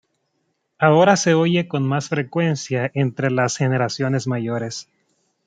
Ahora se oye con más frecuencia entre las generaciones mayores.